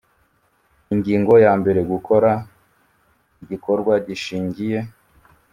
Ingingo ya mbere Gukora igikorwa gishingiye